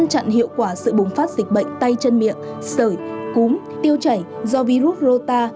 chặn hiệu quả sự bùng phát dịch bệnh tay chân miệng sởi cúm tiêu chảy do virus rota